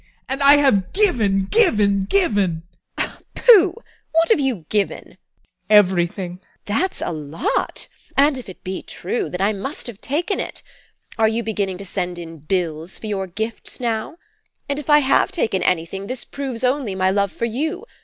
And I have given, given, given! TEKLA. Pooh! What have you given? ADOLPH. Everything! TEKLA. That's a lot! And if it be true, then I must have taken it. Are you beginning to send in bills for your gifts now? And if I have taken anything, this proves only my love for you.